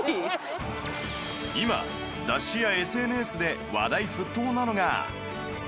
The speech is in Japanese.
今雑誌や ＳＮＳ で話題沸騰なのが